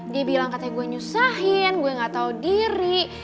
dia bilang katanya gue nyusahin gue gak tau diri